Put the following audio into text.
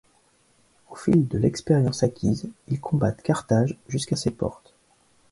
Au fil de l'expérience acquise, ils combattent Carthage jusqu'à ses portes.